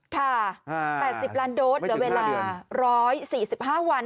ค่ะ๘๐ล้านโดสเหลือเวลา๑๔๕วัน